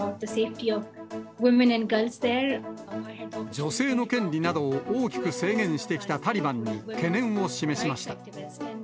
女性の権利などを大きく制限してきたタリバンに、懸念を示しました。